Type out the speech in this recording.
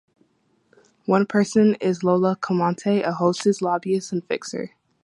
One person is Lola Camonte, a hostess, lobbyist and fixer.